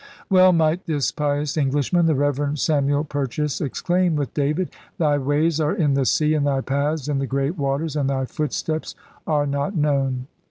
Well might this pious Englishman, the Reverend Samuel Purchas, exclaim with David: Thy ways are in the Sea, and Thy paths in the great waters, and Thy footsteps are not known.